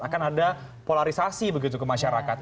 akan ada polarisasi begitu ke masyarakat